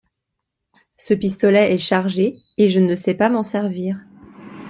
Ce pistolet est chargé, et je ne sais pas m’en servir.